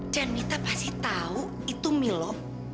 dan mita pasti tahu itu milo